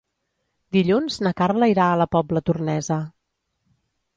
Dilluns na Carla irà a la Pobla Tornesa.